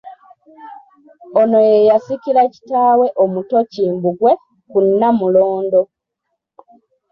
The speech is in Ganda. Ono ye yasikira kitaawe omuto Kimbugwe ku Nnamulondo.